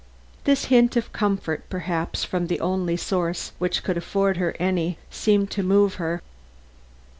This hint of comfort, perhaps from the only source which could afford her any, seemed to move her.